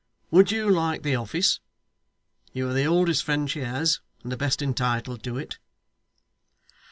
Would you like the office? You are the oldest friend she has, and the best entitled to it.